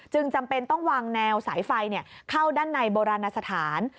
จำเป็นต้องวางแนวสายไฟเข้าด้านในโบราณสถาน